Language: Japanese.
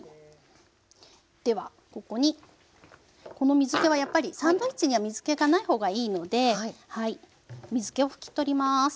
ではここにこの水けはやっぱりサンドイッチには水けがない方がいいので水けを拭き取ります。